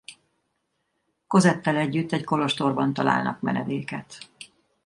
Cosette-tel együtt egy kolostorban találnak menedéket.